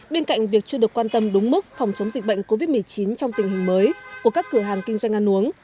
bên cạnh việc chưa được quan tâm đúng mức phòng chống dịch bệnh covid một mươi chín trong tình hình mới của các cửa hàng kinh doanh ăn uống